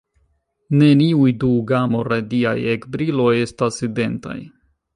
Neniuj du gamo-radiaj ekbriloj estas identaj.